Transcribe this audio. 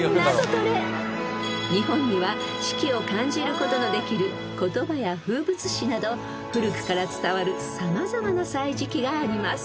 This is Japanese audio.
［日本には四季を感じることのできる言葉や風物詩など古くから伝わる様々な『歳時記』があります］